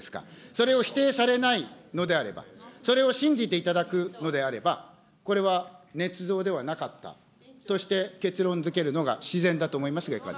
それを否定されないのであれば、それを信じていただくのであれば、これはねつ造ではなかったとして結論づけるのが自然だと思います